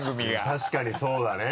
確かにそうだね。